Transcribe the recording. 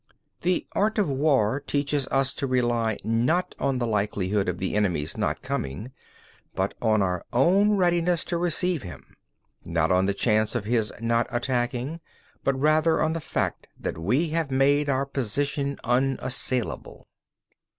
11. The art of war teaches us to rely not on the likelihood of the enemy's not coming, but on our own readiness to receive him; not on the chance of his not attacking, but rather on the fact that we have made our position unassailable.